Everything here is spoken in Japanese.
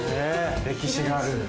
歴史がある。